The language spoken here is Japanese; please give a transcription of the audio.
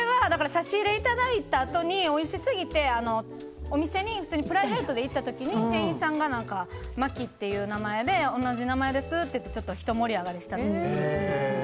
差し入れいただいたあとにおいしすぎてお店に普通にプライベートで行った時に店員さんが「まき」っていう名前で同じ名前ですっていうのでひと盛り上がりしたっていう。